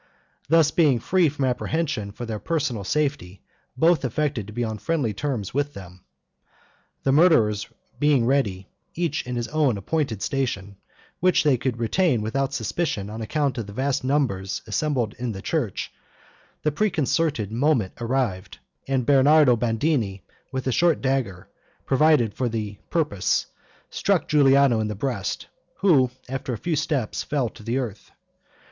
Thus being free from apprehension for their personal safety both affected to be on friendly terms with them. The murderers being ready, each in his appointed station, which they could retain without suspicion, on account of the vast numbers assembled in the church, the preconcerted moment arrived, and Bernardo Bandini, with a short dagger provided for the purpose, struck Giuliano in the breast, who, after a few steps, fell to the earth.